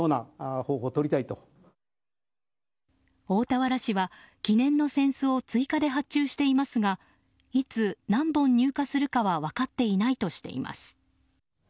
大田原市は記念の扇子を追加で発注していますがいつ、何本入荷するかは分かっていないとしています。